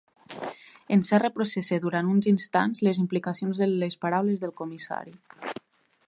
En Serra processa durant uns instants les implicacions de les paraules del comissari.